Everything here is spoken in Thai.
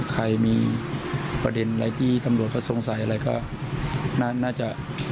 ใครมีประเด็นอะไรที่ตำรวจเขาสงสัยอะไรก็น่าจะ